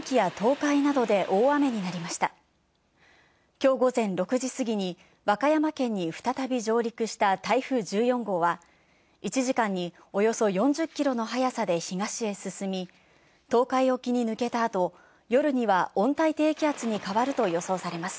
きょう午前６時過ぎに和歌山県に再び上陸した台風１４号は１時間におよそ４０キロの速さで東へ進み、東海沖に抜けた後、夜には温帯低気圧に変わると予想されます。